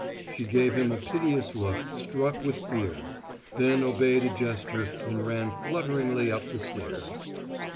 She gave him a piteous look, struck with fear; then obeyed a gesture and ran flutteringly up the stairs.